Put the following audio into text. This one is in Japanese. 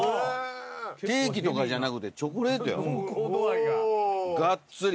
ケーキとかじゃなくてチョコレートやがっつり。